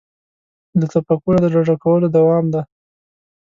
له تفکره د ډډه کولو دوام دی.